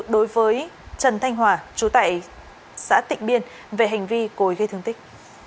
đối với trần thanh hòa chú tại xã tịnh biên về hành vi cối gây thương tích